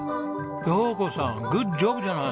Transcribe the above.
陽子さんグッジョブじゃない！